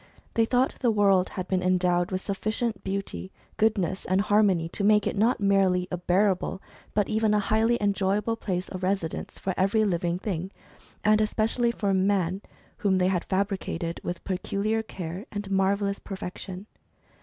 They thought the world had been en dowed with sufficient beauty, goodness, and harmony to make it not merely a bearable, but even a highly enjoy able place of residence for every living thing, and especially for man, whom they had fabricated with peculiar care, and a marvellous perfection.